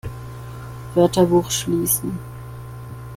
Wörterbuch schließen!